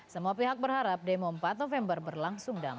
semua pihak berharap demo empat november berlangsung damai